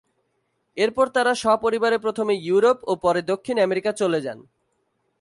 এরপর তারা সপরিবারে প্রথমে ইউরোপ ও পরে দক্ষিণ আমেরিকা চলে যান।